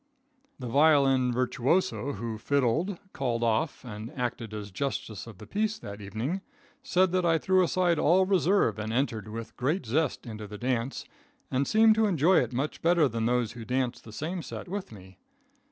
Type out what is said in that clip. The violin virtuoso who "fiddled," "called off" and acted as justice of the peace that evening, said that I threw aside all reserve and entered with great zest into the dance, and seemed to enjoy it much better than those who danced in the same set with me.